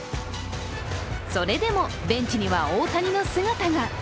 それでもベンチには大谷の姿が。